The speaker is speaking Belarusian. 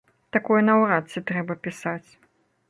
Такое наўрад ці трэба пісаць.